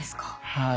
はい。